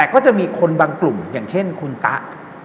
ก็จะมีคนบางกลุ่มอย่างเช่นคุณตะ